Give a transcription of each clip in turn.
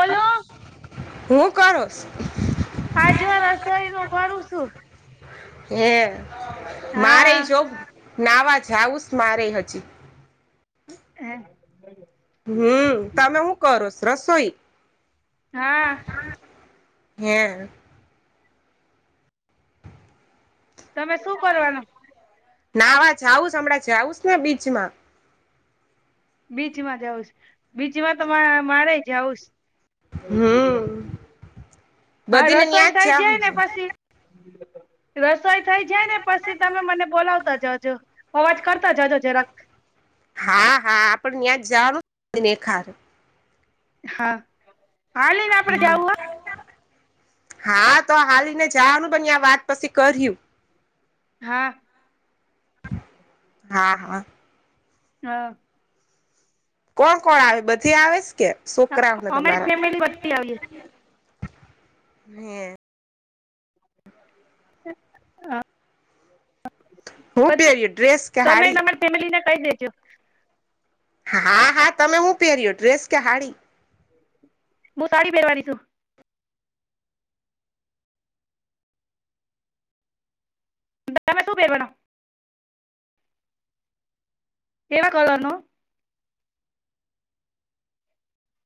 બોલો હું કરો? આજે રસોઈ નું કરું છું. હે મારે એ હા જો નાવા જાવુંસ મારે એ હજી‌ હમ હે હમ તમે હું કરો સ રસોઈ? હા [unintelligible] તમે શું કરવાનું? નાવા જાઉુ હમણાં જવુંસ ને બીચમાં. બીચમાં જઉ બીચમાં તો મારે જઉ હમ હા બધીને ન્યા રસોઈ જ થાય જા જાય ને પછી. રસોઈ થઈ જાય ને પછી તમે મને બોલાવતા જજો અવાજ કરતા જજો જરાક. હા હા આપડ ત્યાં ખા હા હા લઈને આપડે જવું. હા તો હાને જવાનું પણ વાત પછી કર્યું. હા. હા હા. હા. કોણ કોણ આવે બધી આવે કે સોકરાઓ ને અમારી તમારા ફેમિલી બધી આવીએ હમ્મ. હું પેરીય ડ્રેસ કે તમે હાડી? તમારી ફેમિલીને કઈ દેજો. હા હા તમે હું પહેર્યો ડ્રેસ કે હાડી? હું તાળી પેરવાની છું. તમે શું પહેરવાના? એવા કલરનું?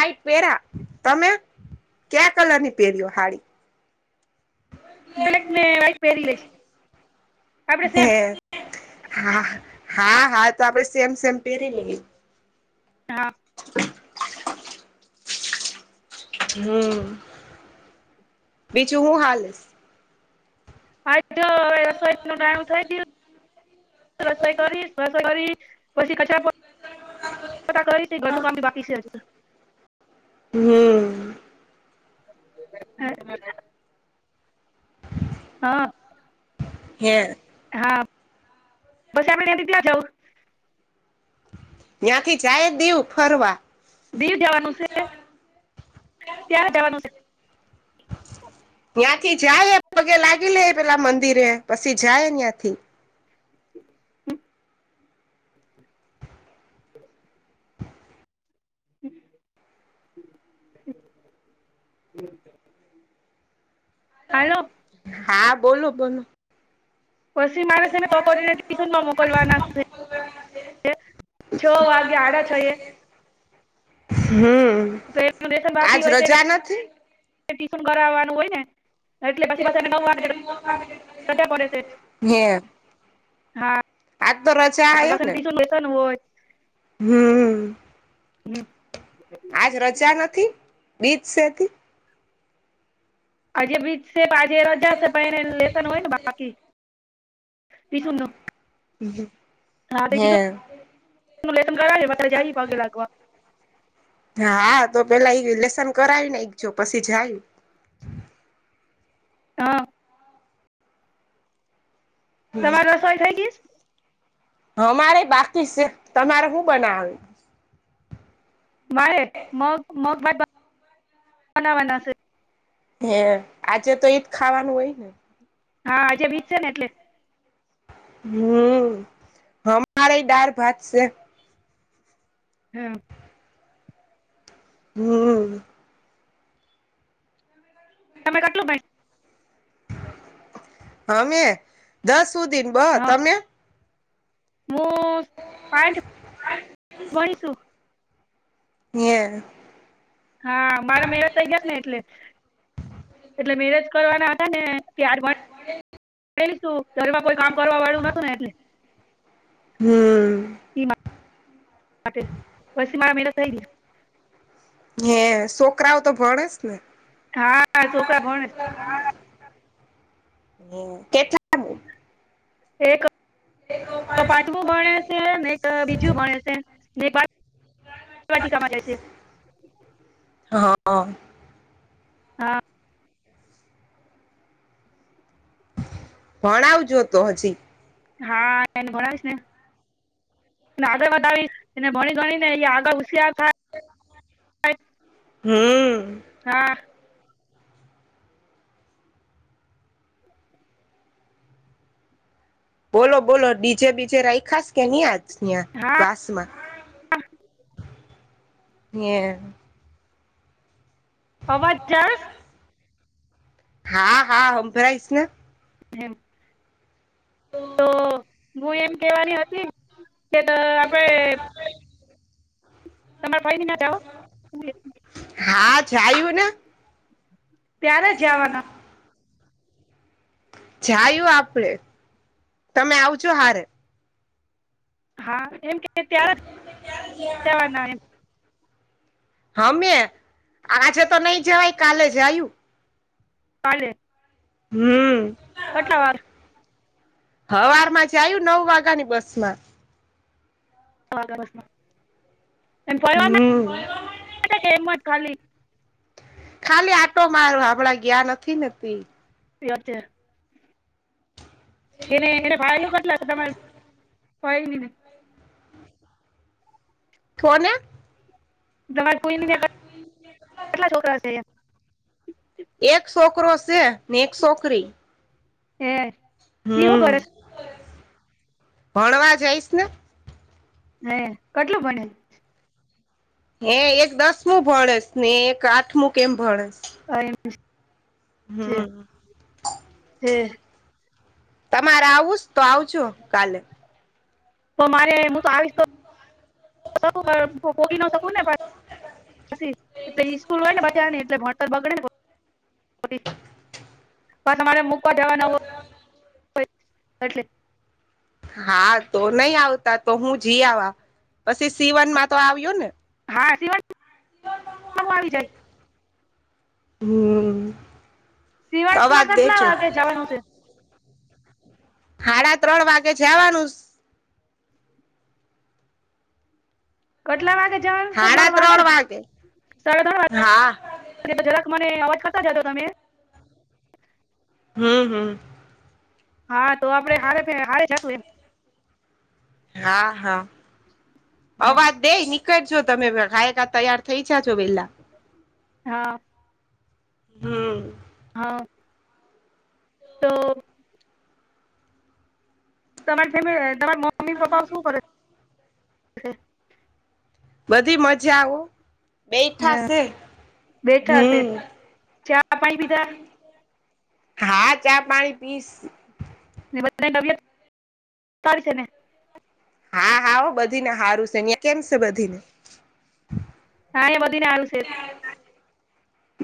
લાઈટ પેરા તમે ક્યા કલર ની પેરીઓ હાડી‌? બ્લેક ને વ્હાઈટ પહેરી લઈ છે આપડે સેમ. હે હા હા હા તો આપડે સેમ સેમ પેરી લે. હા. [unintelligible] હમ્મ બીજું હું હાલ હ. [unintelligible] પછી કચા ઘરનું કામ બાકી છે આજ. હમ [unintelligible] હા. હે. હ. [unintelligible] ત્યાંથી જાય દેવું ફરવા. દીવ જવાનું છે ત્યાં જવાનું છે. ત્યાંથી જાય પગે લાગી લે પેલા મંદિરે પછી જાય અયાંથી. [inaudible] હલો. હા બોલો બોલો. પછી મારે ને તો કરીને ટ્યુશન માં મોકલવા નાખશે. છ વાગે આડા છ. હમ તો એનું લેસન આજ બાકી હોય તો રજા નથી? ટ્યુશન કરાવવાનું હોય ને. એટલે પછી પાછા એને નવ વાગે રજા પડે છે યે હા આ બસને દસ લેસન હોય. હમ્મ. હમ્મ આજ રજા નથી બીજ સતી? આજ બીચ આજે રજા પ લેશન હોય ને બાકી. [unintelligible] હે લન કરાવે મા જારી પગે લાગવા. હ હા તો પેલા એ લસન કરાવી ને એક જો પછી જાય. હ. તમારે રસોઈ થઈ ગઈસ. અમારે બાકી છે તમારે શું બનાવે. વાળે મગ મગ બનાવાના છે. હે આજે તો ઈજ ખાવાનું હોય ને. હા આ જે બીતશે ને એટલે. હમ હરે ડાર ભાત સે. હ. હમ્મ તમે કેટલુ ભાઈન. અમે દસ સુધી ને બ તમે મું પાચ ગણશું. [unintelligible] હા મારા મેરેજ થઈ ગયા ને એટલે એટલે મેરેજ કરવાના હતા ને. ત્યારબું ઘરમાં કોઈ કામ કરવા વાળું નોતું ને એટલે. હમ્મ ઈ પછી મારા મેળ થઈ. હ્યાં છોકરાઓ તો ભણેસ ને. હા ચોખા ભણ. હમ્મ કેટલા. એક. તો પાચવું ભણે છે નહી તો બીજું ભણે છે ન વાટીકા માટે જય સે. હ હ. હા ભણાવજો તો હજી હા એને ભણાવીશ ને. આગળ વધાવી એને ભણી ગણીનેં ઈ આગળ હુસીયાર તાય [unintelligible] હમ હા બોલો બોલો ડીજે બીજે રાઈખાાસ કે ન્યાં જ ત્યા હા વાસ માં હ્યાં અવાજ જરાક હા હા હમભરાઈસને હેમ તો તો હું એમ કહેવાની હતી કે ત આપણે તમારે ભય ન ના ત હા જાયું ને. ત્યારે જવાના જાયું આપડે તમે આવજો હારે હા એમ કે ત્યારે જાવાના એમ હમે આજે તો નઈ જવાય કાલે જાયૂ કાલે હમ્મ પટલાવાર હવારમાં જાવ્યું નવ વાગ્યા ની બસમા હમ [unintelligible] ખાલી આટો મારવા હમણા ગયા નથી ને તી. ત્યાં ત્યાં. એને હોગી ન [unintelligible] છો ને. તમારા પોયરી કેટલા છોકરા છે? એક છોકરો છે ને એક છોકરી. હે તી હું હમ કરે છે? ભણવા જઈશ ને. હે કેટલું ભને? હે એક દસમું ભણેસ ને એક આઠમું કેમ ભણેસ. ક. [unintelligible] હમ. છે તમારે આવુંસ તો આવજો કાલે. તો મારે હું તો આવીશ તો પોગી ન શકું ને પછી [unintelligible] પછી એટ ઈસ્કૂલ હોય ને બધાને એટલે ભણતર બગડે ને. તમારે મૂકવા જવા નવ એટ [unintelligible] હા તો નહી આવતા તો હું જી આવા, પછી સીવનમાં તો આવ્યો ને? હા સિવાય આવી જાય. હમ, આવાજ દે છે. વાનું છે. સાડા ત્રણ વાગે જવાનું. કેટલા વાગે જવાનું છે ત્રણ વાગે ને? સાડા ત્રણ વાગે. હા અને જરાક મને અવાજ કરતા જાજો તમે. હમ હમ. હા તો આપડે હારે હારે જાતું. હા હા એમ અવાજ. તે હીકળજો તમે ગાયકા તૈયાર થઈ જા છો પેલા. હા. હમ્મ હા. તો. તમારી ફેમ તમારે મમ્મી પપ્પા શું કરે બધી મજા હો બેઠા કરે શે બેઠા હશે હમ્મ ચા પાણી પીધા હા ચા પાણી પીશ. ને બધા [unintelligible] પરી છે ને. હા હા ઓ બધીને હારું છે ત્યહ કેમ છે બધીને. હા એ બઘી ને હારું છે.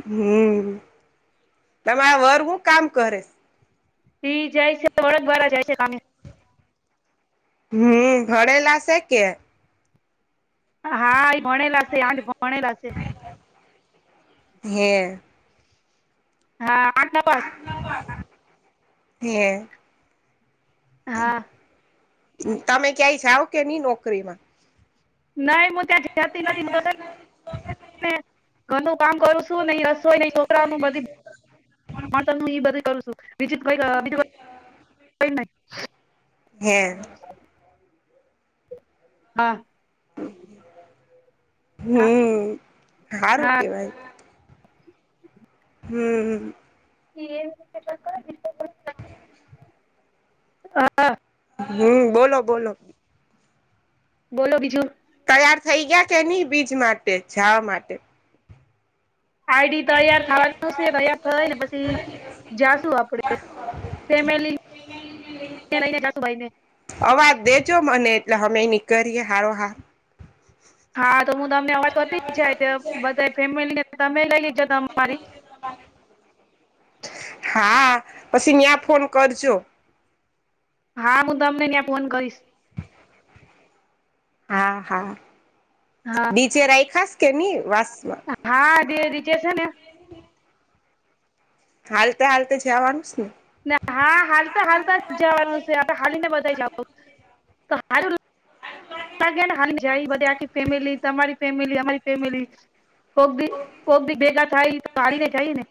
હમ્મ તમારા વર હું કામ કરે. ઈ જાય છે વળદવારા જાય છે કામે હમ્મ ભણેલા છેે કે. હા એ ભણેલા શે આઠ ભણેલા શે હે. હા આઠ નપાસ. હે હા તમે ક્યાંય જાવ કે ની નોકરી માં. નાઈ મુજે જતી નથી [unintelligible] ઘેર નુ કામ કરું શું ઈ હ. સોઇની છોકરા નુ બધી. હ તું બધું કરું છું વિજત ભાઈ. હે. હા. હા હમ સારું હા કેવાય. હમ. એ. [unintelligible] હા હમ બોલો બોલો. બોલો બીજું. તૈયાર થઈ ગયા કે નહી બીજ માટે જવા માટે? આઈડી તૈયાર થવાનું છે તૈયાર થાય ને, પછી જાશું આપડે. ફેમલી લનેભાઈ ને. અવાજ દેજો મને એટલે અમે એની કરીએ હારો હાર. હા તો હું તમને અવાજ તોતી જાય બધા ફેમિલી ને તમે લઈ જ હા પછી ત્યાં ફોન કરજો. હા હું તમને ત્યાં ફોન કરીશ. હા હા, હા નીચે રાખાસ કે નની વાસમાં? હા દ રીચે છે ને. હાલતા હાલતે જવાનુંસ ને. હા હાલ તો હાલતા જ જવાનું છે આપડ હાલીને બધા જાવ. હ લ હ. [unintelligible] જાય બધ આખી ફેમિલી તમારી ફેમિલી અમારી ફેમિલી. કોક ભી કોકી બેગા થાાય તો આને ચા ને.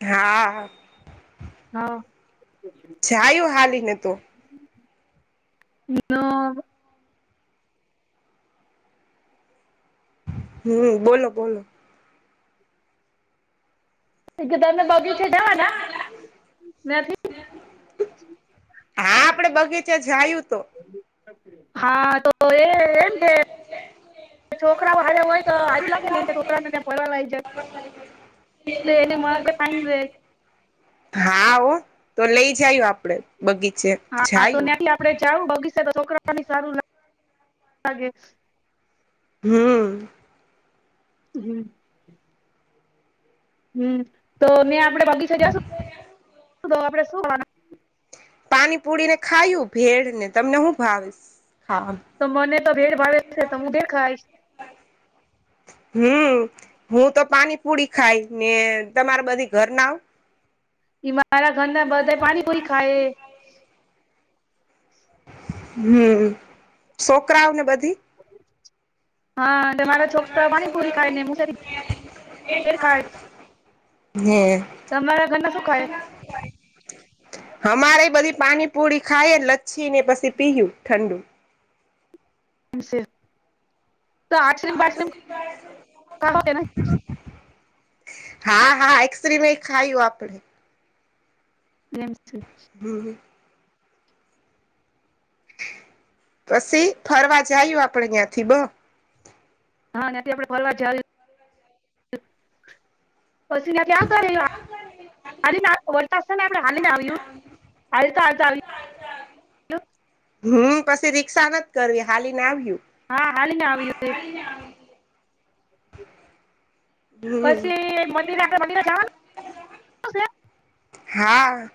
હા. હા. જાયું હાલ નને તો. હનું. હમ બોલો બોલો. એકદ બગી છેઢવાથી હા આપડે બગીચા જયું તું. હા તો એ એમ કે છોકરાઓ હારે હોય તો હારું લાગે ને છોકરા ને ફરવા લઈ જાય. તો એની મગજ ફાઈન રહે હા હો તો લઈ જાયું આપડે બગીચે. હા તો જાયું ત્યાથી આપડે ચાવું બગીચ તો છોકરા સારું લે. હમ. હમ હમ તો ને આપડે બગીચા જશું તો આપડે શુંવાના પાણી પુડીને ખાયું, ભેળ ને તમને હું ભાવીશ? ખા તો મને તો ભેટ ભડે છે તો હું તે ખાઈશ. હમ હું તો પાણીપુડી ખાય ને તમારા બધી. ઘર ના બ મારા ઘર ના બધા પાણી કોઈ ખાય. હમ છોકરાઓ ને બધી હા મારા છોકરા પાણી પુરી ખાય ને હું ત ખાય. હમ. તમારા ઘને શુંખાય? અમારે બધી પાણીપુરી ખાય લચ્છી ને પછી પીયુ ઠંડુ. એમસિર. ખાઓ કે [unintelligible] હા હા એક્સ ર મે ખાયું આપડે. એમ છે. હમ. પછી ફરવા જાયું આપડે ત્યાં થી બ. હા તંથી આપડ ફરવાર જ. પસીલા ક્યાં કરે. અને ના વરતાતાને હાલીને આવ્યું હતાતા આવ. હમ પછી રિક્ષા નથી કરવી હાલીને આવ્યું. હા હાલ ને આવ હતી. હમ પછી મંદિરે આ મંદીર જવાનું. હા.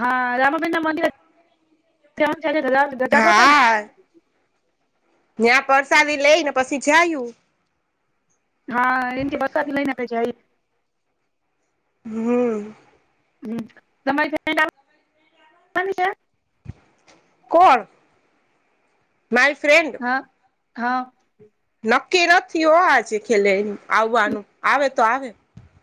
હા રામાપીર મંદિર [unintelligible] હા એ. જ્યાં પરસાદી લઈ ને પછી જયું. હા એમ કે પશાદીને લઈને જયુ. હમ. હમ તમારી બેન્ડ આવાની છે. કોણ મારી ફ્રેન્ડ. હા હા. નક્કી નથી હો આજ ખેલે આવવાનું આવે તો આવે.